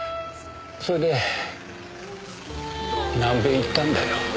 それで南米行ったんだよ。